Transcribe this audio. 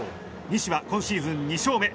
西は今シーズン２勝目。